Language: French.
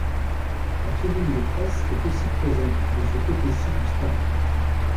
La tribune de presse est aussi présente de ce côté-ci du stade.